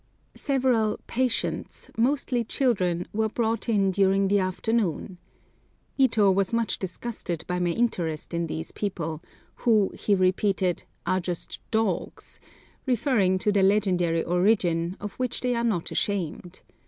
Several "patients," mostly children, were brought in during the afternoon. Ito was much disgusted by my interest in these people, who, he repeated, "are just dogs," referring to their legendary origin, of which they are not ashamed.